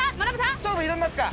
勝負挑みますか！